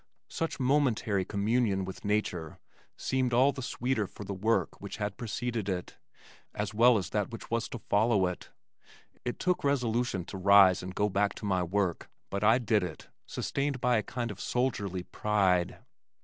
Such momentary communion with nature seemed all the sweeter for the work which had preceded it, as well as that which was to follow it. It took resolution to rise and go back to my work, but I did it, sustained by a kind of soldierly pride.